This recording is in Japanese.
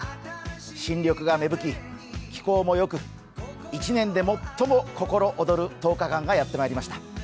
新緑が芽吹き、気候もよく１年で最も心躍る１０日間がやってきました。